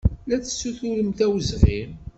La tessuturemt awezɣi.